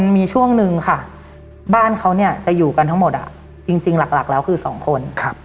มีช่วงนึงค่ะบ้านเขาเนี่ยจะอยู่กันทั้งหมดจริงหลักแล้วคือสองคน